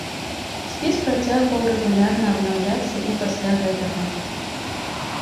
Спіс працягваў рэгулярна абнаўляцца і пасля гэтага.